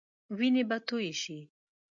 وينې به تويي شي.